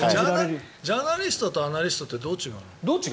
ジャーナリストとアナリストってどう違うの？